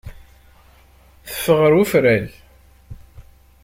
Teffeɣ ɣer ufrag.